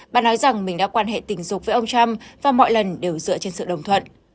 bà nói rằng mình đã quan hệ tình dục với ông trump và mọi lần đều dựa trên sự đồng thuận